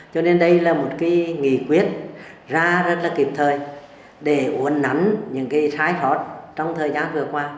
cho nên đây là một nghỉ quyết ra rất là kịp thời để uốn nắm những trái thoát trong thời gian vừa qua